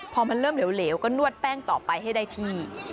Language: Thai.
พอมันเริ่มเหลวก็นวดแป้งต่อไปให้ได้ที่